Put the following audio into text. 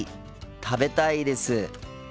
食べたいです。